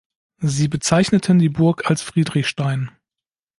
Sie bezeichneten die Burg als Friedrichstein.